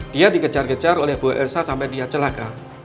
dia dikejar kejar oleh bu elsa sampai dia celaka